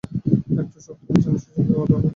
একটু শক্ত বিছানা ও সোজা হয়ে ঘুমাতে হবে।